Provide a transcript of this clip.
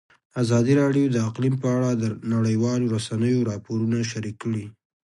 ازادي راډیو د اقلیم په اړه د نړیوالو رسنیو راپورونه شریک کړي.